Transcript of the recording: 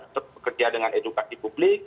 terus bekerja dengan edukasi publik